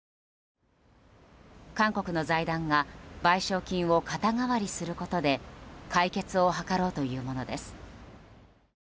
韓国の財団が賠償金を肩代わりすることで解決を図ろうというものです。